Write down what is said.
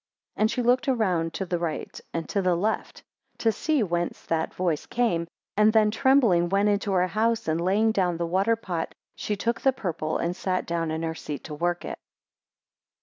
8 And she looked round to the right and to the left (to see) whence that voice came, and then trembling went into her house, and laying down the water pot, she took the purple, and sat down in her seat to work it.